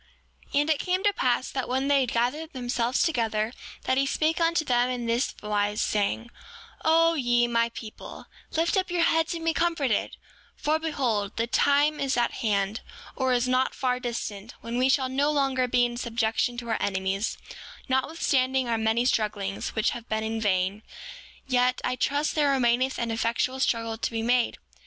7:18 And it came to pass that when they had gathered themselves together that he spake unto them in this wise, saying: O ye, my people, lift up your heads and be comforted; for behold, the time is at hand, or is not far distant, when we shall no longer be in subjection to our enemies, notwithstanding our many strugglings, which have been in vain; yet I trust there remaineth an effectual struggle to be made.